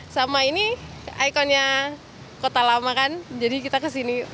sama ini ikonnya kota lama kan jadi kita kesini